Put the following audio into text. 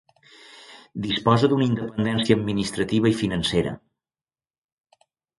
Disposa d'una independència administrativa i financera.